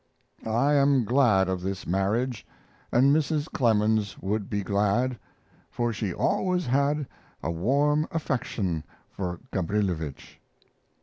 I am glad of this marriage, and Mrs. Clemens would be glad, for she always had a warm affection for Gabrilowitsch.